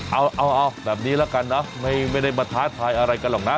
เอาแบบนี้ละกันเนอะไม่ได้มาท้าทายอะไรกันหรอกนะ